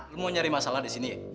lo mau nyari masalah disini ya